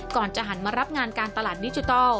ก่อนจะหันมารับงานการตลาดดิจิทัล